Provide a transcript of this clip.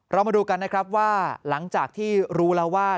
เรามาดูกันนะครับว่าหลังจากที่รู้แล้วว่า